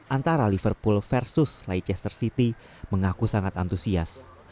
antara liverpool versus manchester city mengaku sangat antusias